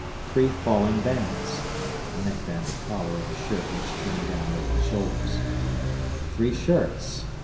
Three falling bands [a neckband or collar of a shirt which turned down over the shoulders]. Three shirts.